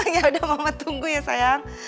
yaudah mama tunggu ya sayang